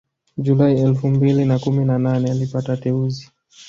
Julai elfu mbili na kumi na nane alipata teuzi